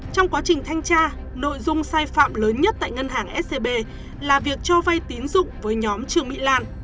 trong quá trình thanh tra nội dung sai phạm lớn nhất tại ngân hàng scb là việc cho vay tín dụng với nhóm trương mỹ lan